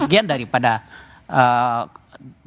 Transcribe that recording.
bagian daripada lembaga pemerintahan